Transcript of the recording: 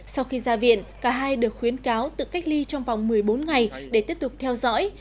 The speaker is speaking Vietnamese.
sau khi ra viện cả hai được khuyến cáo tự cách ly trong vòng một mươi bốn ngày để tiếp tục theo dõi